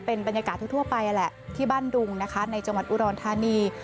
เป็นบรรยากาศทั่วไปนั่นแหละที่บ้านดุงนะคะในจังหวัดอุดรธานี